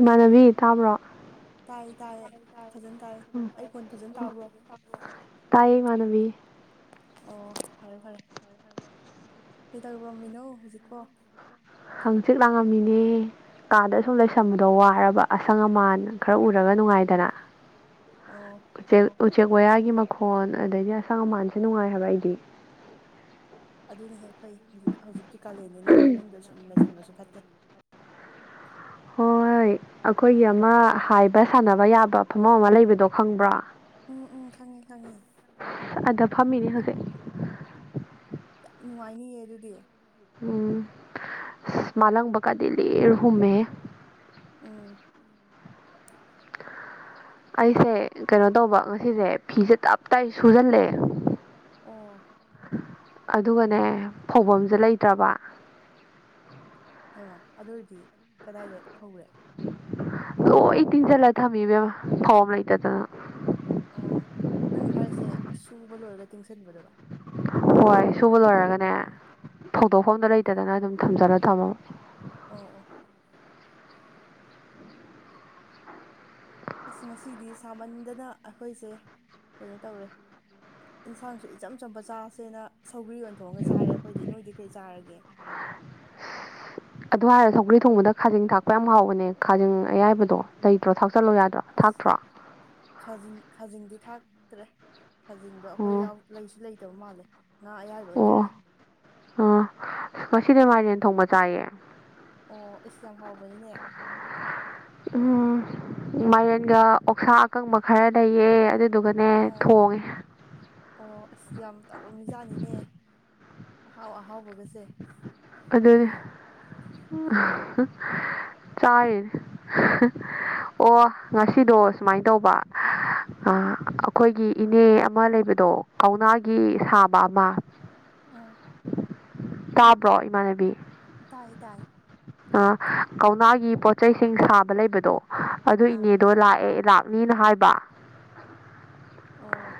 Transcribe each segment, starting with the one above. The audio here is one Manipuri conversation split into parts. ꯏꯃꯥꯟꯅꯕꯤ ꯇꯥꯕ꯭ꯔꯣ ꯇꯥꯏ ꯇꯥꯏꯔꯦ ꯐꯖꯅ ꯇꯥꯏꯌꯦ ꯑꯩ ꯈꯣꯟ ꯐꯖꯅ ꯎꯝ ꯇꯥꯕ꯭ꯔꯣ ꯇꯥꯏꯌꯦ ꯏꯃꯥꯟꯅꯕꯤ ꯑꯣ ꯐꯔꯦ ꯐꯔꯦ ꯀꯩꯗꯧꯔꯝꯃꯤꯅꯣ ꯍꯧꯖꯤꯛꯄꯣ ꯍꯪꯆꯤꯠ ꯂꯥꯡꯉꯝꯃꯤꯅꯦ ꯀꯥꯗ ꯁꯨꯝ ꯂꯩꯁꯟꯕꯗꯣ ꯋꯥꯔꯕ ꯑꯁꯪ ꯑꯃꯥꯟ ꯈꯔ ꯎꯔꯒ ꯅꯨꯡꯉꯥꯏꯗꯅ ꯑꯣ ꯎꯆꯦꯛ ꯎꯆꯦꯛ ꯋꯌꯥꯒꯤ ꯃꯈꯣꯟ ꯑꯗꯥꯗꯤ ꯑꯁꯪ ꯑꯃꯥꯟꯖꯦ ꯅꯨꯡꯉꯥꯏ ꯍꯥꯏꯕ ꯑꯩꯗꯤ ꯑꯗꯨꯅ ꯍꯦꯛ ꯐꯩ ꯍꯧꯖꯤꯛ ꯍꯧꯖꯤꯛꯇꯤ ꯀꯥꯂꯦꯟꯅꯤꯅ ꯃꯅꯨꯡꯗ ꯁꯨꯝ ꯂꯩꯁꯤꯟꯕꯁꯨ ꯐꯠꯇꯦ ꯍꯣꯏ ꯑꯩꯈꯣꯏꯒꯤ ꯑꯃꯥ ꯍꯥꯏꯕ ꯁꯥꯟꯅꯕ ꯌꯥꯕ ꯐꯝꯕꯝ ꯑꯃꯥ ꯂꯩꯕꯗꯣ ꯈꯪꯕ꯭ꯔꯣ ꯎꯝ ꯎꯝ ꯈꯪꯉꯦ ꯈꯪꯉꯦ ꯑꯗ ꯐꯝꯃꯤꯅꯦ ꯍꯧꯖꯤꯛ ꯌꯥꯝ ꯅꯨꯡꯉꯥꯏꯅꯤꯌꯦ ꯑꯗꯨꯗꯤ ꯎꯝ ꯑꯁ ꯃꯥꯂꯪꯕꯀꯥꯗꯀꯤ ꯂꯤꯔꯤ ꯍꯨꯝꯃꯦꯍꯦ ꯎꯝ ꯑꯩꯁꯦ ꯀꯩꯅꯣ ꯇꯧꯕ ꯉꯁꯤꯖꯦ ꯐꯤꯁꯦ ꯇꯞ ꯇꯥꯟꯒꯩ ꯁꯨꯖꯜꯂꯦ ꯑꯣ ꯑꯗꯨꯒꯅꯦ ꯐꯧꯕꯝꯖꯦ ꯂꯩꯇ꯭ꯔꯕ ꯍꯩꯃꯥ ꯑꯗꯨ ꯑꯣꯏꯔꯗꯤ ꯀꯗꯥꯏꯗ ꯐꯧꯔꯦ ꯂꯣꯏ ꯇꯤꯟꯖꯤꯜꯂ ꯊꯝꯃꯤ ꯏꯕꯦꯝꯃ ꯐꯧꯕꯝ ꯂꯩꯇꯗꯅ ꯑꯣ ꯅꯪ ꯍꯥꯏꯔꯤꯁꯦ ꯁꯨꯕ ꯂꯣꯏꯔꯒ ꯇꯤꯡꯁꯤꯟꯕꯗꯨꯔꯣ ꯍꯣꯏ ꯁꯨꯕ ꯂꯣꯏꯔꯒꯅꯦ ꯑꯣ ꯐꯧꯗꯣꯛꯐꯝꯗꯣ ꯂꯩꯇꯗꯅ ꯑꯗꯨꯝ ꯊꯝꯖꯂ ꯊꯥꯝꯃꯕ ꯑꯣ ꯑꯣ ꯑꯁ ꯉꯁꯤꯗꯤ ꯁꯥꯃꯟꯗꯅ ꯑꯩꯈꯣꯏꯁꯦ ꯀꯩꯅꯣ ꯇꯧꯔꯦ ꯏꯟꯁꯥꯡꯁꯨ ꯏꯆꯝ ꯆꯝꯕ ꯆꯥꯁꯦꯅ ꯁꯧꯒ꯭ꯔꯤ ꯑꯣꯏꯅ ꯊꯣꯡꯉꯒ ꯆꯥꯔꯦ ꯑꯩꯈꯣꯏꯗꯤ ꯅꯣꯏꯗꯤ ꯀꯩ ꯆꯥꯔꯒꯦ ꯑꯗꯨ ꯍꯥꯏꯔ ꯁꯧꯒ꯭ꯔꯤ ꯊꯣꯡꯕꯗ ꯈꯖꯤꯡ ꯊꯥꯛꯄ ꯌꯥꯝ ꯍꯥꯎꯕꯅꯦ ꯈꯖꯤꯡ ꯑꯌꯥꯏꯕꯗꯣ ꯂꯩꯇ꯭ꯔꯣ ꯊꯥꯛꯆꯜꯂꯣ ꯌꯥꯗ꯭ꯔꯣ ꯑꯁ ꯊꯥꯛꯇ꯭ꯔꯣ ꯈꯖꯤꯡ ꯈꯖꯤꯡꯗꯤ ꯊꯥꯛꯇ꯭ꯔꯦ ꯈꯖꯤꯡꯗꯣ ꯑꯩꯈꯣꯏ ꯑꯣ ꯌꯥꯎ ꯂꯩꯁꯨ ꯂꯩꯇꯕ ꯃꯥꯜꯂꯦ ꯉꯥ ꯑꯌꯥꯏꯕ ꯑꯣꯏꯅ ꯑꯣ ꯊꯥꯛꯑꯦ ꯑꯣ ꯉꯁꯤꯗꯤ ꯃꯥꯏꯔꯦꯟ ꯊꯣꯡꯕ ꯆꯥꯏꯌꯦ ꯑꯣ ꯢꯁ ꯌꯥꯝ ꯍꯥꯎꯕꯅꯤꯅꯦ ꯎꯝ ꯃꯥꯏꯔꯦꯟꯒ ꯑꯣꯛꯁꯥ ꯑꯀꯪꯕ ꯈꯔ ꯂꯩꯌꯦ ꯑꯗꯨꯗꯨꯒ ꯑꯣ ꯑꯣ ꯑꯁ ꯌꯥꯝ ꯇꯧꯔꯝꯃꯤꯖꯥꯠꯅꯤꯅꯦ ꯑꯍꯥꯎ ꯑꯍꯥꯎꯕꯒꯖꯦ ꯑꯗꯨꯅꯤ [unintelligible] ꯆꯥꯔꯤ ꯑꯣ ꯉꯁꯤꯗꯣ ꯁꯨꯃꯥꯏ ꯇꯧꯕ ꯑ ꯑꯩꯈꯣꯏꯒꯤ ꯏꯅꯦ ꯑꯃꯥ ꯂꯩꯕꯗꯣ ꯀꯧꯅꯥꯒꯤ ꯎꯝ ꯁꯥꯕ ꯑꯃꯥ ꯑꯥ ꯄ꯭ꯔꯣ ꯏꯃꯥꯟꯅꯕꯤ ꯇꯥꯏ ꯇꯥꯏ ꯑ ꯀꯧꯅꯥꯒꯤ ꯄꯣꯠꯖꯩꯁꯤꯡ ꯁꯥꯕ ꯂꯩꯕꯗꯣ ꯑꯗꯨ ꯑꯥ ꯏꯅꯦꯗꯣ ꯂꯥꯛꯑꯦ ꯂꯥꯛ ꯃꯤꯅ ꯍꯥꯏꯕ ꯑꯣ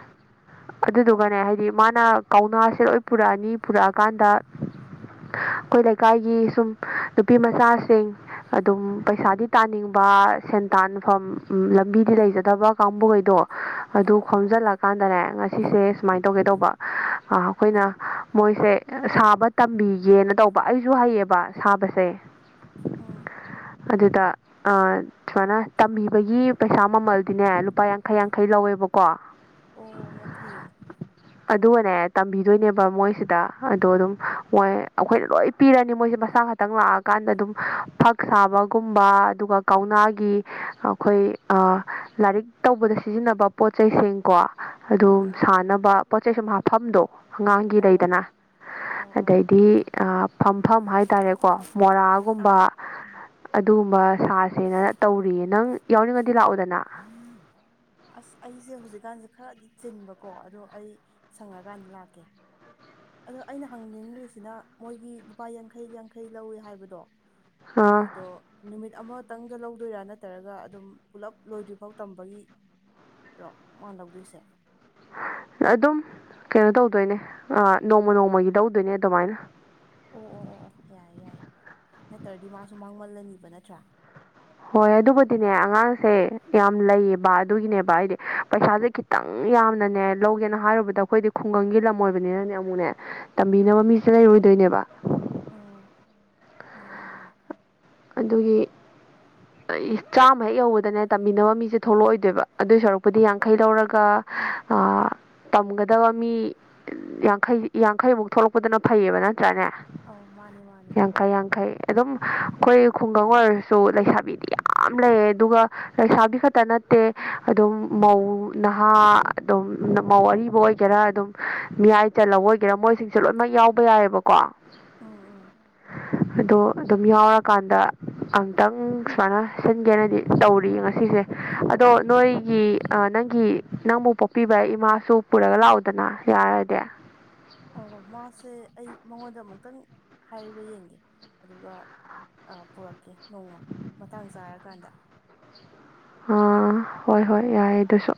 ꯑꯗꯨꯗꯨꯒꯅꯦ ꯍꯥꯏꯗꯤ ꯃꯥꯅ ꯀꯧꯅꯥꯁꯦ ꯂꯣꯏ ꯄꯨꯔꯛꯑꯅꯤ ꯄꯨꯔꯛꯑꯀꯥꯟꯗ ꯑꯩꯈꯣꯏ ꯂꯩꯀꯥꯏꯒꯤ ꯁꯨꯝ ꯅꯨꯄꯤ ꯃꯆꯥꯁꯤꯡ ꯑꯗꯨꯝ ꯄꯩꯁꯥꯗꯤ ꯇꯥꯅꯤꯡꯕ ꯁꯦꯟ ꯇꯥꯟꯐꯝ ꯎꯝ ꯂꯝꯕꯤꯗꯤ ꯂꯩꯖꯗꯕ ꯀꯥꯡꯕꯨꯒꯩꯗꯣ ꯑꯗꯨ ꯑꯧ ꯑꯧ ꯈꯣꯝꯖꯜꯂꯀꯥꯟꯗꯅꯦ ꯉꯁꯤꯁꯦ ꯁꯨꯃꯥꯏ ꯇꯧꯒꯦ ꯇꯧꯕ ꯑ ꯑꯩꯈꯣꯏꯅ ꯃꯣꯏꯁꯦ ꯁꯥꯕ ꯇꯝꯕꯤꯒꯦꯅ ꯇꯧꯕ ꯑꯩꯖꯨ ꯍꯩꯌꯦꯕ ꯁꯥꯕꯁꯦ ꯎꯝ ꯑꯗꯨꯗ ꯑ ꯁꯨꯃꯥꯏꯅ ꯇꯝꯕꯤꯕꯒꯤ ꯄꯩꯁꯥ ꯃꯃꯜꯗꯤꯅꯦ ꯂꯨꯄꯥ ꯌꯥꯡꯈꯩ ꯌꯥꯡꯈꯩ ꯂꯧꯋꯦꯕꯀꯣ ꯑꯣ ꯌꯥꯝ ꯐꯩꯌꯦ ꯑꯗꯨꯒꯅꯦ ꯇꯝꯕꯤꯗꯣꯏꯅꯦꯕ ꯃꯣꯏꯁꯤꯗ ꯑꯗꯣ ꯑꯗꯨꯝ ꯃꯣꯏ ꯑꯈꯣꯏꯅ ꯂꯣꯏ ꯄꯤꯔꯅꯤ ꯃꯣꯏꯁꯦ ꯃꯁꯥ ꯈ ꯇꯪ ꯂꯥꯛꯑꯀꯥꯟꯗ ꯗꯨꯝ ꯐꯛ ꯁꯥꯕꯒꯨꯝꯕ ꯑꯗꯨꯒ ꯀꯧꯅꯥꯒꯤ ꯑꯈꯣꯏ ꯑꯥ ꯂꯥꯔꯤꯛ ꯇꯧꯕꯗ ꯁꯤꯖꯤꯟꯅꯕ ꯄꯣꯠ ꯆꯩ ꯁꯤꯡ ꯀꯣ ꯑꯥ ꯑꯗꯨꯝ ꯑꯥ ꯁꯥꯟꯅꯕ ꯄꯣꯠ ꯆꯩꯩ ꯁꯨꯝ ꯍꯥꯞꯐꯝꯗꯣ ꯑꯉꯥꯡꯒꯤ ꯑꯣ ꯂꯩꯗꯅ ꯑꯧ ꯑꯧ ꯑꯗꯩꯗꯤ ꯑꯥ ꯐꯝꯐꯝ ꯍꯥꯏꯇꯥꯔꯦꯀꯣ ꯃꯣꯔꯥꯒꯨꯝꯕ ꯑꯥ ꯑꯗꯨꯒꯨꯝꯕ ꯁꯥꯁꯦꯅ ꯇꯧꯔꯤꯌꯦ ꯅꯪ ꯌꯥꯎꯅꯤꯡꯉꯗꯤ ꯂꯥꯛꯎꯗꯅ [unintelligible] ꯑꯁ ꯑꯩꯖ‌ꯦ ꯍꯨꯖꯤꯛꯀꯥꯟꯖ‌ꯦ ꯈꯔꯗꯤ ꯆꯤꯟꯕꯀꯣ ꯑꯗꯣ ꯑꯩ ꯁꯪꯉꯀꯥꯟꯗ ꯂꯥꯛꯀꯦ ꯑꯗꯣ ꯑꯩꯅ ꯍꯪꯅꯤꯡ꯭ꯔꯤꯁꯤꯅ ꯃꯣꯏꯒꯤ ꯂꯨꯄꯥ ꯌꯥꯡꯈꯩ ꯌꯥꯡꯈꯩ ꯂꯧꯏ ꯍꯥꯏꯕꯗꯣ ꯑꯥ ꯑꯗꯨꯏꯗꯣ ꯅꯨꯃꯤꯠ ꯑꯃꯇꯪꯗ ꯂꯧꯗꯣꯏꯔꯥ ꯅꯠꯇ꯭ꯔꯒ ꯑꯗꯨꯝ ꯄꯨꯂꯞ ꯂꯣꯏꯗ꯭ꯔꯤꯐꯥꯎ ꯇꯝꯕꯒꯤ ꯔ‌ꯣ ꯃꯥ ꯂꯧꯗ‌ꯣꯏꯁꯦ ꯑꯗꯨꯝ ꯀꯩꯅꯣ ꯇꯧꯗꯣꯏꯅꯦ ꯑꯥ ꯅꯣꯡꯃꯥ ꯅꯣꯡꯃꯥꯒꯤ ꯂꯧꯗꯣꯏꯅꯦ ꯑꯗꯨꯃꯥꯏꯅ ꯑꯣ ꯑꯣ ꯑꯣ ꯑꯣ ꯌꯥꯏ ꯌꯥꯏ ꯅꯠꯇ꯭ꯔꯗꯤ ꯃꯥꯁꯨ ꯃꯥꯡꯃꯜꯂꯅꯤꯕ ꯅꯠꯇ꯭ꯔꯥ ꯍꯣꯏ ꯑꯗꯨꯕꯨꯗꯤꯅꯦ ꯑꯉꯥꯡꯁꯦ ꯌꯥꯝ ꯂꯩꯌꯦꯕ ꯑꯗꯨꯒꯤꯅꯦꯕ ꯍꯥꯏꯗꯤ ꯄꯩꯁꯥꯖ‌ꯦ ꯈꯤꯠ ꯇꯪ ꯌꯥꯝꯅꯅꯦ ꯂꯧꯒꯦꯅ ꯍꯥꯏꯔꯨꯕꯗ ꯑꯈꯣꯏꯗꯤ ꯈꯨꯡꯒꯪꯒꯤ ꯂꯝ ꯑꯣꯏꯕꯅꯤꯅꯅꯦ ꯑꯃꯨꯛꯅꯦ ꯇꯝꯕꯤꯅꯕ ꯃꯤꯁꯦ ꯂꯩꯔꯣꯏꯗꯣꯏꯅꯦꯕ ꯃꯥꯅꯦ ꯃꯥꯅꯦ ꯑꯗꯨꯒꯤ ꯆꯥꯝꯃ ꯍꯦꯛ ꯌꯧꯕꯗꯅꯦ ꯇꯝꯕꯤꯅꯕ ꯃꯤꯖꯦ ꯊꯣꯛꯂꯛꯑꯣꯏꯗꯣꯏꯕ ꯑꯗꯨꯏ ꯁꯔꯨꯛꯄꯨꯗꯤ ꯌꯥꯡꯈꯩ ꯂꯧꯔꯒ [inaudible] ꯇꯝꯒꯗꯕ ꯃꯤ ꯌꯥꯡꯈꯩ ꯌꯥꯡꯈꯩꯃꯨꯛ ꯊꯣꯛꯂꯛꯄꯗꯨꯅ ꯐꯩꯌꯦꯕ ꯅꯠꯇ꯭ꯔꯅꯦ ꯑꯥꯎ ꯃꯥꯅꯦ ꯃꯥꯅꯦ ꯌꯥꯡꯈꯩ ꯌꯥꯡꯈꯩ ꯑꯗꯨꯝ ꯈꯣꯏ ꯈꯨꯡꯒꯪ ꯑꯣꯏꯔꯁꯨ ꯂꯩꯁꯥꯕꯤꯗꯤ ꯌꯥꯝ ꯂꯩ ꯑꯗꯨꯒ ꯂꯩꯁꯕꯤ ꯈꯠꯇ ꯅꯠꯇꯦ ꯑꯗꯨꯃꯧ ꯅꯍꯥ ꯑꯗꯨꯝ ꯃꯧ ꯑꯔꯤꯕ ꯑꯣꯏꯒꯦꯔꯥ ꯑꯗꯨꯝ ꯃꯤꯌꯥꯏ ꯆꯜꯂꯕ ꯑꯣꯏꯒꯦꯔꯥ ꯃꯣꯏꯁꯤꯡꯁꯨ ꯂꯣꯏꯅꯃꯛ ꯌꯥꯎꯕ ꯌꯥꯏꯌꯦꯕꯀꯣ ꯑꯣ ꯑꯣ ꯑꯗꯣ ꯑꯗꯨꯝ ꯌꯥꯎꯔ ꯀꯥꯟꯗ ꯑꯨꯛꯇꯪ ꯁꯨꯃꯥꯏꯅ ꯍꯥꯆꯤꯟꯒꯦꯅꯗꯤ ꯇꯧꯔꯤꯌꯦ ꯉꯁꯤꯁꯦ ꯑꯗꯣ ꯅꯣꯏꯒꯤ ꯅꯪꯒꯤ ꯅꯪꯕꯨ ꯄꯣꯛꯄꯤꯕ ꯏꯃꯥꯁꯨ ꯄꯨꯔꯒ ꯂꯥꯛꯎꯗꯅ ꯌꯥꯔꯗꯤ ꯑꯪꯀꯣ ꯃꯥꯁꯦ ꯑꯩ ꯃꯉꯣꯟꯗ ꯑꯃꯨꯛꯇꯪ ꯍꯥꯏꯌꯨꯒ ꯌꯦꯡꯒꯦ ꯑꯗꯨꯒ ꯑ ꯄꯨꯔꯛꯀꯦ ꯅꯣꯡꯃ ꯃꯇꯥꯡ ꯆꯥꯔꯀꯥꯟꯗ ꯑꯥ ꯍꯣꯏ ꯍꯣꯏ ꯌꯥꯏ ꯑꯗꯨꯁꯨ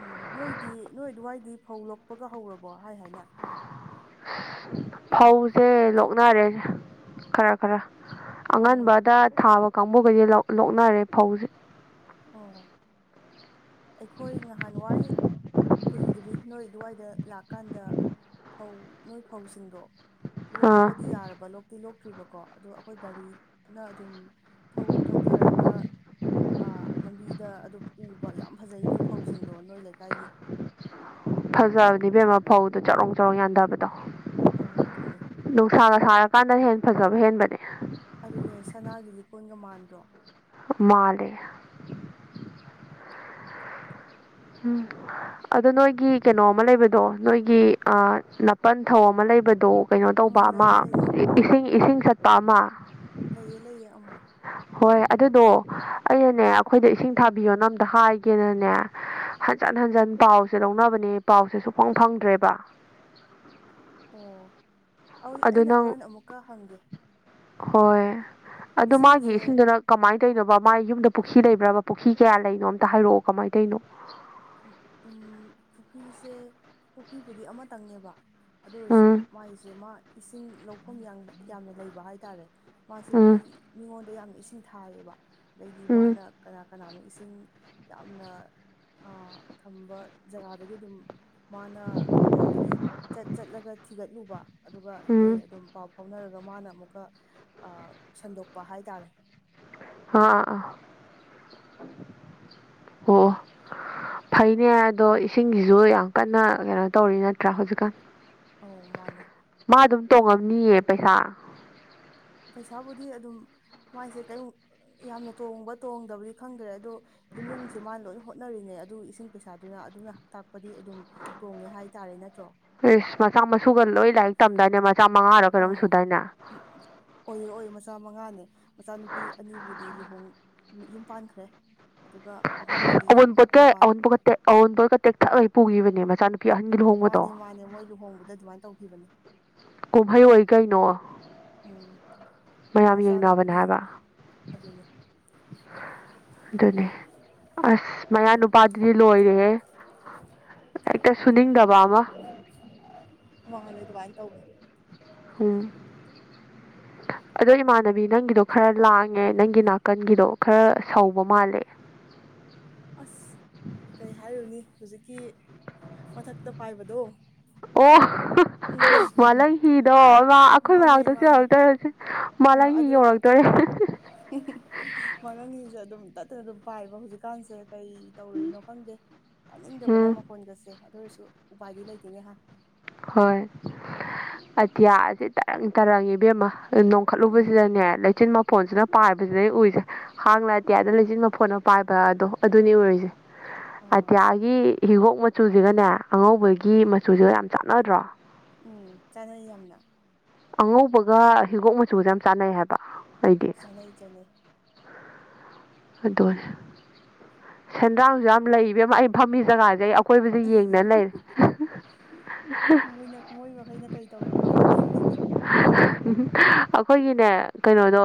ꯎꯝ ꯅꯣꯏꯗꯤ ꯅꯣꯏ ꯑꯗꯨꯋꯥꯏꯗꯤ ꯐꯧ ꯂꯣꯛꯄꯒ ꯍꯧꯔꯕꯣ ꯍꯥꯏ ꯍꯥꯏꯅ ꯐꯧꯁꯦ ꯂꯣꯛꯅꯔꯦ ꯈꯔ ꯈꯔ ꯎꯝ ꯑꯉꯟꯕꯗ ꯊꯥꯕ ꯀꯥꯡꯕꯨꯈꯩꯗꯤ ꯂꯣꯛꯅꯔꯦ ꯐꯧꯁꯦ ꯑꯣ ꯑꯩꯈꯣꯏ ꯅꯍꯥꯟꯋꯥꯏ ꯀꯨꯏꯗ꯭ꯔꯤ ꯅꯣꯏ ꯑꯗꯨꯋꯥꯏꯗ ꯂꯥꯛꯀꯥꯟꯗ ꯐꯧ ꯅꯣꯏ ꯐꯧꯁꯤꯡꯗꯣ ꯑꯥ ꯂꯣꯛꯄꯗꯤ ꯌꯥꯔꯕ ꯂꯣꯛꯇꯤ ꯂꯣꯛꯇ꯭ꯔꯤꯕꯀꯣ ꯑꯗꯣ ꯑꯩꯈꯣꯏ ꯒꯥꯔꯤꯅ ꯑꯗꯨꯝ ꯊꯧꯗꯔꯒ ꯑ ꯂꯝꯕꯤꯗ ꯑꯗꯨꯝ ꯎꯕ ꯌꯥꯝ ꯐꯖꯩ ꯅꯣꯏ ꯐꯧꯁꯤꯡꯗꯣ ꯅꯣꯏ ꯂꯩꯀꯥꯏꯒꯤ ꯐꯖꯕꯅꯦ ꯕꯦꯝꯃ ꯐꯧꯗꯣ ꯆꯔꯣꯡ ꯆꯔꯣꯡ ꯌꯥꯟꯊꯕꯗꯣ ꯎꯝ ꯑꯗꯨꯅꯦ ꯅꯨꯡꯁꯥꯒ ꯁꯥꯔ ꯀꯥꯟꯗ ꯍꯦꯟꯅ ꯐꯖꯕ ꯍꯦꯟꯕꯅꯦ ꯑꯗꯨꯅꯦ ꯁꯅꯥꯒꯤ ꯂꯤꯛꯀꯣꯟꯒ ꯃꯥꯟꯗ꯭ꯔꯣ ꯃꯥꯜꯂꯦ ꯎ ꯑꯗꯣ ꯅꯣꯏꯒꯤ ꯀꯩꯅꯣ ꯑꯃ ꯂꯩꯕꯗꯣ ꯅꯣꯏꯒꯤ ꯅꯥꯄꯟ ꯊꯧ ꯑꯃ ꯂꯩꯕꯗꯣ ꯀꯩꯅꯣ ꯇꯧꯕ ꯎꯝ ꯑꯃ ꯂꯩꯌꯦ ꯂꯩꯌꯦ ꯏꯁꯤꯡ ꯏꯁꯤꯡ ꯆꯠꯄ ꯑꯃ ꯂꯩꯌꯦ ꯂꯩꯌꯦ ꯑꯃ ꯍꯣꯏ ꯑꯗꯨꯗꯣ ꯑꯩꯅꯅꯦ ꯑꯩꯈꯣꯏꯗ ꯏꯁꯤꯡ ꯊꯥꯕꯤꯌꯣꯅ ꯑꯝꯇ ꯍꯥꯏꯒꯦꯅꯅꯦ ꯍꯟꯖꯟ ꯍꯟꯖꯟ ꯄꯥꯎꯁꯦ ꯂꯧꯅꯕꯅꯦ ꯄꯥꯎꯁꯦ ꯁꯨꯐꯪ ꯐꯪꯗ꯭ꯔꯦꯕ ꯑꯣ ꯑꯩ ꯑꯗꯨ ꯑꯩꯅ ꯅꯪ ꯍꯣꯔꯦꯟ ꯑꯃꯨꯛꯀ ꯍꯪꯒꯦ ꯍꯣꯏ ꯑꯗꯨ ꯃꯥꯒꯤ ꯏꯁꯤꯡꯁꯦ ꯏꯁꯤꯡꯗꯨꯅ ꯀꯃꯥꯏꯅ ꯇꯧꯅꯣꯕ ꯃꯥꯒꯤ ꯌꯨꯝꯗ ꯄꯨꯈ꯭ꯔꯤ ꯂꯩꯕ꯭ꯔꯕ ꯄꯨꯈ꯭ꯔꯤ ꯀꯌꯥ ꯂꯩꯅꯣ ꯑꯝꯇ ꯍꯥꯏꯔꯛꯑꯣ ꯀꯃꯥꯏꯅ ꯇꯧꯔꯤꯅꯣ ꯎꯝ ꯄꯨꯈ꯭ꯔꯤꯁꯦ ꯄꯨꯈ꯭ꯔꯤꯄꯨꯗꯤ ꯑꯃꯇꯪꯅꯦꯕ ꯑꯗꯨ ꯑꯣꯏꯔꯁꯨ ꯎꯝ ꯃꯥꯒꯤꯁꯦ ꯃꯥ ꯏꯁꯤꯡ ꯂꯧꯐꯝ ꯌꯥꯝꯅ ꯂꯩꯕ ꯍꯥꯏꯇꯥꯔꯦ ꯃꯥꯁꯦ ꯃꯤ ꯎꯝ ꯃꯤꯉꯣꯟꯗ ꯌꯥꯝ ꯏꯁꯤꯡ ꯊꯥꯏꯔꯦꯕ ꯑꯗꯩꯗꯤ ꯎꯝ ꯃꯥꯅ ꯀꯅꯥ ꯀꯅꯥꯅꯣ ꯏꯁꯤꯡ ꯌꯥꯝꯅ ꯑ ꯊꯝꯕ ꯖꯒꯥꯗꯒꯤ ꯑꯗꯨꯝ ꯃꯥꯅ ꯀꯩ ꯍꯥꯏꯅꯤ ꯆꯠ ꯆꯠꯂꯒ ꯊꯤꯒꯠꯂꯨꯕ ꯑꯗꯨꯒ ꯑꯗꯨꯗꯩ ꯎꯝ ꯑꯗꯨꯝ ꯄꯥꯎ ꯐꯧꯅꯔꯒ ꯃꯥꯅ ꯑꯃꯨꯛꯀ ꯁꯟꯗꯣꯛꯄ ꯍꯥꯏꯇꯥꯔꯦ ꯑꯥ ꯑꯣ ꯐꯩꯅꯦ ꯑꯗꯣ ꯏꯁꯤꯡꯁꯤꯁꯨ ꯌꯥꯝ ꯀꯟꯅ ꯀꯩꯅꯣ ꯇꯧꯔꯤ ꯅꯠꯇ꯭ꯔꯥ ꯍꯧꯖꯤꯛꯀꯥꯟ ꯑꯧ ꯃꯥꯅꯦ ꯃꯥ ꯑꯗꯨꯝ ꯇꯣꯡꯉꯝꯅꯤꯌꯦ ꯄꯩꯁꯥ ꯄꯩꯁꯥꯕꯨꯗꯤ ꯑꯗꯨꯝ ꯃꯥꯏꯁꯦ ꯀꯩ ꯌꯥꯝꯅ ꯇꯣꯡꯕ ꯇꯣꯡꯗꯕꯗꯤ ꯈꯪꯗ꯭ꯔꯦ ꯑꯗꯣ ꯏꯃꯨꯡꯁꯦ ꯃꯥꯅ ꯂꯣꯏ ꯍꯣꯠꯅꯔꯤꯅꯦ ꯑꯗꯨ ꯏꯁꯤꯡ ꯄꯩꯁꯥꯗꯨꯅ ꯑꯗꯨꯅ ꯇꯥꯛꯄꯗꯤ ꯑꯗꯨꯝ ꯇꯣꯡꯉꯦ ꯍꯥꯏꯇꯥꯔꯦ ꯅꯠꯇ꯭ꯔꯣ ꯏꯁꯁ ꯃꯆꯥ ꯃꯁꯨꯒ ꯂꯣꯏ ꯂꯥꯏꯔꯤꯛ ꯇꯝꯗꯥꯏꯅꯦ ꯃꯆꯥ ꯃꯉꯥꯔꯣ ꯀꯩꯅꯣꯝ ꯁꯨꯗꯥꯏꯅꯦ ꯎꯝ ꯑꯣꯏꯌꯦ ꯑꯣꯏ ꯃꯆꯥ ꯃꯉꯥꯅꯦ ꯃꯆꯥꯅꯨꯄꯤ ꯑꯅꯤꯕꯨꯗꯤ ꯂꯨꯍꯣꯡ ꯌꯨꯝ ꯄꯥꯟꯈ꯭ꯔꯦ ꯑꯗꯨꯒ ꯑꯍꯨꯝꯕꯨꯗꯤ ꯃꯄꯥꯟ ꯑꯋꯨꯟ ꯄꯣꯠꯀꯇꯦꯛ ꯊꯈꯩ ꯄꯨꯒꯤꯕꯅꯤ ꯃꯆꯥꯅꯨ ꯃꯥꯅꯦ ꯃꯥꯅꯦ ꯃꯣꯏ ꯂꯨꯍꯣꯡꯕꯗ ꯑꯗꯨꯃꯥꯏꯅ ꯇꯧꯈꯤꯕꯅꯦ ꯀꯨꯝꯍꯩ ꯑꯣꯏ ꯀꯩꯅꯣ ꯎꯝ ꯃꯌꯥꯝ ꯌꯦꯡꯅꯕꯅꯦ ꯃꯆꯥꯅꯨꯄꯤ ꯍꯥꯏꯕ ꯑꯗꯨꯅꯤ [inaudible] ꯑꯗꯨꯅꯦ ꯑꯁ ꯃꯌꯥ ꯅꯨꯄꯥꯗꯨꯗꯤ ꯂꯣꯏꯔꯦ ꯑꯃ ꯑ ꯃꯥꯜꯂꯦ ꯑꯗꯨꯃꯥꯏꯅ ꯇꯧꯋꯦ ꯎꯝ ꯁ ꯑꯗꯣ ꯏꯃꯥꯟꯅꯕꯤ ꯅꯪꯒꯤꯗꯣ ꯈꯔ ꯂꯥꯡꯉꯦ ꯅꯪꯒꯤ ꯅꯥꯀꯟꯒꯤꯗꯣ ꯈꯔ ꯁꯧꯕ ꯃꯥꯜꯂꯦ ꯑꯁ ꯀꯩ ꯍꯥꯏꯔꯨꯅꯤ ꯍꯧꯖꯤꯛꯀꯤ ꯃꯊꯛꯇ ꯄꯥꯏꯕꯗꯣ ꯑꯣ ꯎꯝ ꯃꯥꯂꯪ ꯍꯤꯗꯣ ꯃꯥ ꯑꯩꯈꯣꯏ ꯃꯥꯅꯦ ꯃꯅꯥꯛꯇꯁꯨ ꯃꯥꯅꯦ ꯌꯧꯔꯛꯇꯣꯏꯔꯁꯦ ꯃꯥꯂꯪ ꯍꯤ ꯌꯧꯔꯛꯇꯣꯏꯔꯦ ꯃꯉꯪꯒꯤꯁꯦ ꯑꯗꯨꯝ ꯇꯠꯇꯅ ꯑꯗꯨꯝ ꯄꯥꯏꯕ ꯍꯧꯖꯤꯛꯀꯥꯟꯁꯦ ꯀꯩ ꯇꯧꯔꯨꯔꯤꯅꯣ ꯈꯪꯗꯦ ꯌꯥꯅꯤꯡꯗꯕꯅ ꯎꯝ ꯃꯈꯣꯟꯒꯁꯦ ꯑꯗꯨ ꯑꯣꯏꯔꯁꯨ ꯎꯄꯥꯏꯗꯤ ꯂꯩꯇꯦꯅꯦꯍ ꯍꯣꯏ ꯑꯇꯤꯌꯥ ꯑꯁꯤꯦ ꯇꯔꯪ ꯇꯥꯔꯪꯉꯤꯕꯦꯝꯃ ꯎꯝ ꯅꯣꯡꯈꯠꯂꯨꯕꯁꯤꯗꯅꯦ ꯂꯩꯆꯤꯟ ꯎꯝ ꯃꯄꯣꯟꯁꯤꯅ ꯄꯥꯏꯕꯁꯤꯗꯩ ꯎꯏꯁꯦ ꯍꯥꯡꯅ ꯑꯇꯤꯌꯥꯗꯅ ꯂꯩꯆꯟꯕ ꯐꯣꯠ ꯑꯃ ꯄꯥꯏꯕꯗꯣ ꯑꯗꯨꯅꯤ ꯎꯔꯤꯁꯦ ꯑꯣ ꯑꯇꯤꯌꯥ ꯒꯤ ꯍꯤꯒꯣꯛ ꯃꯆꯨꯁꯤꯒꯅꯦ ꯑꯉꯧꯕꯒꯤ ꯃꯆꯨꯁꯤꯒ ꯌꯥꯝ ꯆꯥꯟꯅꯗ꯭ꯔꯣ ꯎꯝ ꯆꯥꯅꯩ ꯌꯥꯝꯅ ꯑꯉꯧꯕꯒ ꯍꯤꯒꯣꯛ ꯃꯆꯨꯒ ꯌꯥꯝ ꯆꯥꯟꯅꯩ ꯍꯥꯏꯕ ꯑꯩꯗꯤ ꯆꯅꯦꯩ ꯆꯅꯦꯩ ꯑꯗꯨꯅꯦ ꯁꯦꯟꯗ꯭ꯔꯥꯡꯁꯨ ꯌꯥꯝ ꯂꯩꯕ ꯑꯃ ꯑꯩ ꯐꯝꯃꯤ ꯖꯒꯥꯁꯦ ꯑꯩ ꯑꯀꯣꯏꯕꯁꯦ ꯌꯦꯡꯗꯅ ꯂꯩꯔꯦ ꯃꯣꯏꯅ ꯃꯣꯏ ꯃꯈꯩꯅ ꯀꯩ ꯇꯧꯔꯤꯕ ꯑꯗꯨꯗ ꯑꯩꯈꯣꯏꯒꯤꯅꯦ ꯀꯩꯅꯣꯗꯣ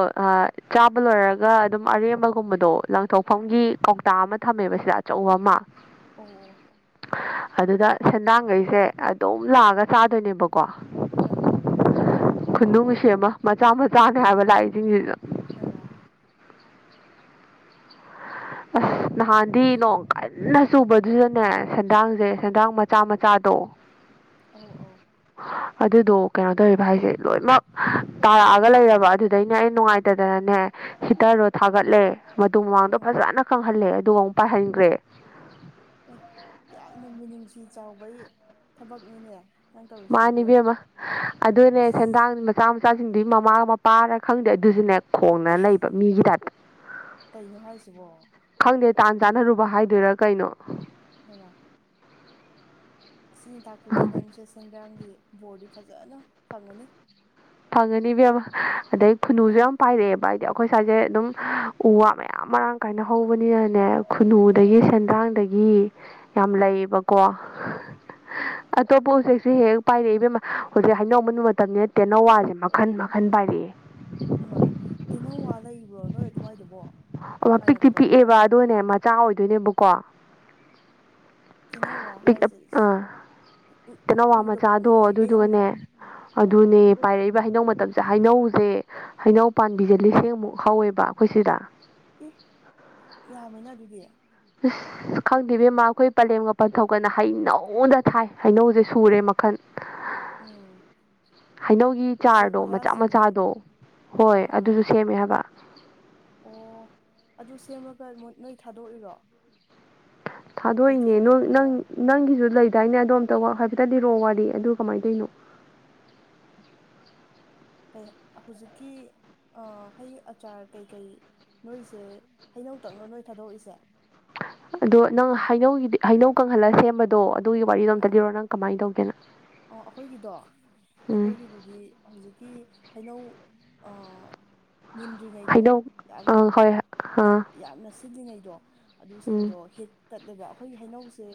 ꯆꯥꯕ ꯂꯣꯏꯔꯒ ꯑꯗꯨꯝ ꯑꯔꯦꯝꯕ ꯒꯨꯝꯕꯗꯣ ꯂꯪꯊꯣꯛꯐꯝꯒꯤ ꯑꯧ ꯀꯧꯇꯥ ꯑꯃ ꯊꯝꯃꯦꯕ ꯁꯤꯗ ꯑꯆꯧꯕ ꯑꯃ ꯑꯣ ꯑꯗꯨꯗ ꯁꯦꯟꯗꯥꯡꯈꯩꯁꯦ ꯑꯗꯨꯝ ꯂꯥꯛꯑꯒ ꯆꯥꯗꯣꯏꯅꯦꯕꯀꯣ ꯑꯥ ꯈꯨꯅꯨꯡ ꯁꯦꯝꯃ ꯃꯆꯥ ꯃꯆꯥꯅꯦ ꯍꯥꯏꯕ ꯂꯥꯛꯏꯁꯤꯡꯁꯤꯁꯨ ꯍ [unintelligible] ꯑꯁ ꯅꯍꯥꯟꯗꯤ ꯅꯣꯡ ꯀꯟꯅ ꯆꯨꯕꯗꯨꯗꯅꯦ ꯁꯦꯟꯗꯥꯡꯁꯦ ꯁꯦꯟꯗꯥꯡ ꯃꯆꯥ ꯃꯆꯥꯗꯣ ꯑ ꯑꯧ ꯑꯗꯨꯗꯣ ꯀꯩꯅꯣ ꯇꯧꯔꯤꯕ ꯍꯥꯏꯁꯦ ꯂꯣꯏꯅꯃꯛ ꯇꯥꯔꯛꯑꯒ ꯂꯩꯔꯕ ꯑꯗꯨꯗꯩꯅ ꯑꯩ ꯅꯨꯡꯉꯥꯏꯇ ꯗꯅꯅꯦ ꯍꯤꯇꯔꯗꯣ ꯊꯥꯒꯠꯂꯦ ꯃꯗꯨ ꯃꯃꯥꯡꯗꯣ ꯎꯝ ꯐꯖꯅ ꯈꯪꯍꯜꯂꯦ ꯑꯗꯨꯒ ꯑꯃꯨꯛ ꯄꯥꯏꯍꯟꯈ꯭ꯔꯦ ꯑꯦ ꯌꯥꯝꯅ ꯃꯤꯅꯨꯡꯁꯤ ꯆꯥꯎꯕꯒꯤ ꯊꯕꯛꯅꯤꯅꯦ ꯅꯪ ꯇꯧꯔꯤꯁꯤꯗꯤ ꯃꯥꯅꯤ ꯏꯕꯦꯝꯃ ꯑꯗꯨꯅꯦ ꯑꯁ ꯁꯦꯟꯗꯥꯡ ꯃꯆꯥ ꯃꯆꯥꯁꯤꯡꯗꯨꯒꯤ ꯃꯃꯥꯒ ꯃꯄꯥꯒ ꯈꯪꯗꯦ ꯑꯗꯨꯁꯨꯅꯦ ꯈꯣꯡꯅ ꯂꯩꯕ ꯃꯤꯒꯤ ꯇꯥꯏꯞꯇ ꯀꯩꯅꯣ ꯍꯥꯏꯁꯤꯕꯣ ꯈꯪꯗꯦ ꯇꯥꯟ ꯆꯥꯟꯅꯔꯨꯕ ꯍꯥꯏꯗꯣꯏꯔꯥ ꯀꯩꯅꯣ ꯍ [unintelligible] ꯑꯁꯤꯅꯤ ꯇꯥꯛꯄꯗꯤ ꯅꯪꯁꯦ ꯁꯦꯟꯗ꯭ꯔꯥꯡꯒꯤ ꯕꯣꯔꯗꯤ ꯐꯖꯅ ꯐꯪꯉꯅꯤ ꯐꯪꯒꯅꯤꯕꯦꯝ ꯑꯃ ꯑꯗꯩ ꯐꯨꯅꯨꯁꯨ ꯌꯥꯝ ꯄꯥꯏꯔꯛꯑꯦꯕ ꯍꯥꯏꯗꯤ ꯑꯩꯈꯣꯏ ꯁ꯭ꯋꯥꯏꯖꯦ ꯑꯗꯨꯝ ꯎ ꯋꯥ ꯃꯌꯥꯝ ꯃꯔꯥꯡ ꯀꯥꯏꯅ ꯍꯧꯕꯅꯤꯅꯅꯦ ꯎꯝ ꯈꯨꯟꯅꯨꯗꯒꯤ ꯎꯝ ꯁꯦꯟꯗ꯭ꯔꯥꯡꯗꯒꯤ ꯌꯥꯝ ꯂꯩꯌꯦꯕꯀꯣ ꯑꯇꯣꯞꯄ ꯎꯆꯦꯛꯁꯤꯦ ꯍꯦꯛ ꯄꯥꯏꯔꯛꯏꯕꯦꯝꯃ ꯍꯧꯖꯤꯛ ꯍꯥꯏꯅꯝꯕ ꯃꯇꯝꯅꯤ ꯅ ꯅꯋꯥꯁꯦ ꯃꯈꯟ ꯃꯈꯟ ꯄꯥꯏꯔꯛꯑꯦ ꯍ ꯋꯥ ꯇꯦꯅꯧꯋꯥ ꯂꯩꯕ꯭ꯔꯣ ꯅꯣꯏ ꯑꯗꯨꯋꯥꯏꯗꯨꯕꯣ ꯑꯣ ꯄꯤꯛꯇꯤ ꯄꯥꯏꯔꯛꯄ꯭ꯔꯣ ꯄꯤꯛꯑꯦꯕ ꯑꯗꯨꯅꯦ ꯃꯆꯥ ꯑꯣꯏꯗꯣꯏꯅꯦꯕꯀꯣ ꯊꯅ ꯋꯥ ꯍꯥꯏꯔꯤꯁꯤꯁꯨ ꯇꯅꯋꯥ ꯃꯆꯥꯗꯣ ꯀꯨꯏꯔꯦ ꯌꯥꯝꯅ ꯑꯗꯨꯗꯨꯒꯅꯦ ꯑꯥ ꯑꯗꯨꯅꯦ ꯄꯥꯏꯔꯛꯏꯕ ꯍꯩꯅꯧ ꯃꯇꯝꯁꯦ ꯍꯩꯅꯧꯁꯦ ꯍꯩꯅꯧ ꯄꯥꯝꯕꯤꯁꯦ ꯂꯤꯁꯤꯡꯃꯨꯛ ꯍꯧꯋꯦꯕ ꯑꯩꯈꯣꯏ ꯁꯤꯗ ꯑꯦ ꯌꯥꯝꯃꯦꯅ ꯑꯗꯨꯗꯤ ꯑꯁ ꯈꯪꯗꯦꯕꯦꯝꯃ ꯑꯩꯈꯣꯏ ꯄꯂꯦꯝꯒ ꯄꯟꯊꯧꯣꯛꯀꯅ ꯍꯩꯅꯧꯗ ꯊꯥꯏ ꯍꯩꯅꯧꯁꯦ ꯁꯨꯔꯦ ꯃꯈꯜ ꯑꯣ ꯍꯩꯅꯧꯒꯤ ꯆꯥꯔꯗꯣ ꯃꯆꯥ ꯋꯥꯌꯥꯁꯤꯡꯗꯤ ꯃꯆꯥꯗꯣ ꯍꯣꯏ ꯑꯥ ꯑꯥ ꯑꯗꯨꯁꯨ ꯁꯦꯝꯃꯦ ꯍꯥꯏꯕ ꯑꯣ ꯑꯗꯨ ꯁꯦꯝꯔꯒ ꯅꯣꯏ ꯊꯥꯗꯣꯛꯏꯔꯣ ꯊꯥꯗꯣꯛꯏꯅꯦ ꯅ ꯀꯩꯊꯦꯜꯗꯒꯨꯝꯕ ꯅꯪ ꯅꯪꯒꯤꯁꯨ ꯂꯩꯗꯥꯏꯅꯦ ꯑꯗꯣ ꯑꯝꯇ ꯍꯥꯏꯐꯦꯠꯇꯗꯤꯔꯛꯑꯣ ꯋꯥꯔꯤ ꯑꯗꯨ ꯀꯃꯥꯏꯅ ꯇꯧꯔꯤꯅꯣ ꯀ ꯍꯧꯖꯤꯛꯀꯤ ꯍꯩ ꯑꯆꯥꯔ ꯀꯩꯀꯩ ꯅꯣꯏꯁꯦ ꯍꯩꯅꯧꯇꯪꯅ ꯅꯣꯏ ꯊꯥꯗꯣꯛꯏꯁꯦ ꯑꯗꯣ ꯅꯪ ꯍꯩꯅꯧꯒꯤꯗꯤ ꯍꯩꯅꯧ ꯀꯪꯍꯜꯂꯒ ꯁꯦꯝꯕꯗꯣ ꯑꯗꯨꯒꯤ ꯋꯥꯔꯤꯗꯣ ꯑꯝꯇ ꯑꯥ ꯂꯤꯔꯣ ꯅꯪ ꯀꯃꯥꯏꯅ ꯇꯧꯒꯦꯅ ꯑꯣ ꯑꯩꯈꯣꯏꯒꯤꯗꯣ ꯎꯝ ꯑꯩꯈꯣꯏꯒꯤꯗꯨꯗꯤ ꯍꯧꯖꯤꯛꯀꯤ ꯍꯩꯅꯧ ꯃꯨꯟꯗ꯭ꯔꯤꯉꯩꯗꯣ ꯍꯩꯅꯧ ꯌꯥꯝꯅ ꯑꯥ ꯍꯣꯏ ꯑꯥ ꯌꯥꯝꯅ ꯁꯤꯂꯤꯉꯩꯗꯣ ꯎꯝ ꯑꯗꯨꯁꯤꯡꯗꯣ ꯍꯤꯠ ꯇꯠꯂꯦꯕ ꯑꯩꯈꯣꯏ ꯍꯩꯅꯧꯁꯦ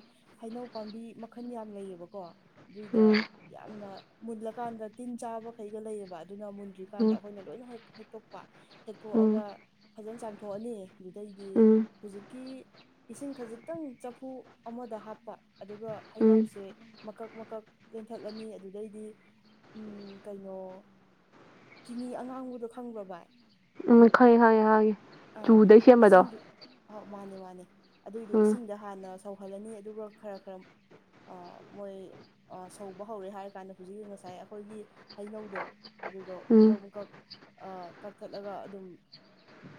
ꯍꯩꯅꯧ ꯄꯥꯝꯕꯤ ꯃꯈꯜ ꯌꯥꯝ ꯂꯩꯌꯦꯕꯀꯣ ꯑꯗꯨꯏꯗ ꯎꯝ ꯌꯥꯝꯅ ꯃꯨꯜꯂꯀꯥꯟꯗ ꯇꯤꯟ ꯆꯥꯕꯈꯩꯒ ꯂꯩꯌꯦꯕ ꯑꯗꯨꯅ ꯃꯨꯟꯗ꯭ꯔꯤꯀꯥꯟꯗ ꯎꯝ ꯑꯩꯈꯣꯏꯅ ꯂꯣꯏꯅ ꯍ ꯍꯦꯛꯇꯣꯛꯄ ꯎꯝ ꯍꯦꯛꯇꯣꯛꯑꯒ ꯐꯖꯅ ꯆꯥꯝꯊꯣꯛꯑꯅꯤ ꯑꯗꯨꯗꯩꯗꯤ ꯎꯝ ꯍꯧꯖꯤꯛꯀꯤ ꯏꯁꯤꯡ ꯈꯖꯤꯛꯇꯪ ꯆꯐꯨ ꯑꯃꯗ ꯍꯥꯞꯄ ꯑꯗꯨꯒ ꯎꯝ ꯍꯩꯅꯧꯁꯦ ꯃꯀꯛ ꯃꯀꯛ ꯂꯦꯟꯊꯠꯂꯅꯤ ꯑꯗꯨꯗꯩꯗꯤ ꯎꯝ ꯀꯩꯅꯣ ꯆꯤꯅꯤ ꯑꯉꯥꯡꯕꯗꯣ ꯈꯪꯕ꯭ꯔꯣ ꯚꯏ ꯎꯝ ꯈꯌꯦꯦ ꯍꯉꯦ ꯍꯉꯦ ꯑꯥ ꯆꯨꯗꯩ ꯁꯦꯝꯕꯗꯣ ꯏꯁꯤꯡꯗꯨ ꯑꯥꯎ ꯃꯥꯅꯦ ꯃꯥꯅꯦ ꯑꯗꯨꯏꯗꯨ ꯎꯝ ꯏꯁꯤꯡꯗ ꯍꯥꯟꯅ ꯁꯧꯍꯜꯂꯅꯤ ꯑꯗꯨꯒ ꯈꯔ ꯈꯔ ꯃꯣꯏ ꯁꯧꯕ ꯍꯧꯔꯦ ꯍꯥꯏꯔ ꯀꯥꯟꯗ ꯍꯧꯖꯤꯛ ꯉꯁꯥꯏ ꯑꯩꯈꯣꯏꯒꯤ ꯍꯩꯅꯧꯗꯣ ꯑꯗꯨꯗꯣ ꯎꯝ ꯃꯀꯛ ꯃꯀꯛ ꯀꯛꯊꯠꯂꯒ ꯑꯗꯨꯝ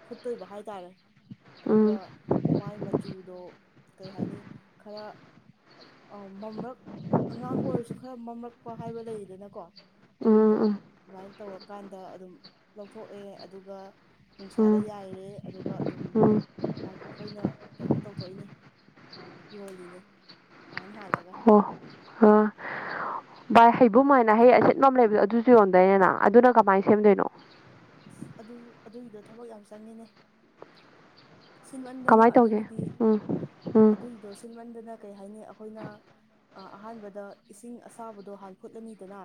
ꯐꯨꯠꯇꯣꯏꯕ ꯍꯥꯏꯇꯥꯔꯦ ꯎꯝ ꯑꯗꯨꯒ ꯃꯥꯏ ꯃꯆꯨꯗꯣ ꯀꯩ ꯍꯥꯏꯅꯤ ꯈꯔ ꯃꯝꯔꯛ ꯑꯉꯥꯡꯕ ꯑꯣꯏꯔꯁꯨ ꯈꯔ ꯃꯝꯂꯛꯄ ꯍꯥꯏꯕ ꯂꯩꯌꯦꯗꯅꯀꯣ ꯑꯗꯨꯏꯗꯣ ꯎꯝ ꯑꯗꯨꯃꯥꯏꯅ ꯇꯧꯔꯛ ꯀꯥꯟꯗ ꯑꯗꯨꯝ ꯂꯧꯊꯣꯛꯑꯦ ꯑꯗꯨꯒ ꯎꯝ ꯅꯨꯡꯁꯥꯗ ꯎꯝ ꯌꯥꯏꯔꯦ ꯑꯗꯨꯒ ꯑꯗꯨꯝ ꯎꯝ ꯑꯩꯈꯣꯏꯅ ꯀꯩꯅꯣ ꯇꯧꯊꯣꯛꯏꯅꯦ ꯌꯣꯜꯂꯤꯅꯦ ꯍꯥꯟ ꯍꯥꯜꯂꯒ ꯑꯣ ꯑꯥ ꯚꯥꯏ ꯍꯩꯕꯨꯝ ꯍꯥꯏꯥꯏꯅ ꯍꯩ ꯑꯁꯤꯆꯠꯐꯝ ꯂꯩꯕꯗꯣ ꯑꯗꯨꯁꯨ ꯌꯣꯟꯗꯣꯏꯅꯤꯅ ꯑꯗꯨꯅ ꯀꯃꯥꯏꯅ ꯁꯦꯝꯗꯣꯏꯅꯣ ꯑꯁ ꯑꯗꯨ ꯑꯗꯨꯒꯤꯗꯣ ꯊꯕꯛ ꯌꯥꯝ ꯆꯪꯉꯦꯅꯦ ꯁꯤꯟꯃꯟꯗꯅ ꯀꯃꯥꯏꯅ ꯇꯧꯒꯦ ꯑꯗꯨꯕꯨꯗꯤ ꯎꯝ ꯎꯝ ꯑꯗꯨꯒꯤꯗꯣ ꯁꯤꯟꯃꯟꯗꯅ ꯀꯩ ꯍꯥꯏꯅꯤ ꯑꯩꯈꯣꯏꯅ ꯑꯍꯥꯟꯕꯗ ꯏꯁꯤꯡ ꯑꯁꯥꯕꯗꯣ ꯍꯥꯟ ꯐꯨꯠꯂꯅꯤꯗꯅ